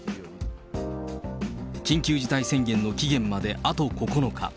緊急事態宣言の期限まであと９日。